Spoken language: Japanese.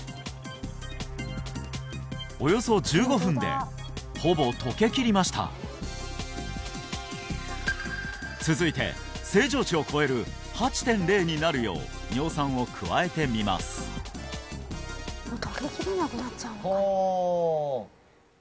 およそ１５分でほぼ溶けきりました続いて正常値を超える８．０になるよう尿酸を加えてみますああ